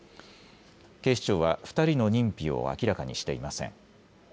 警視庁は２人の認否を明らかにしていません。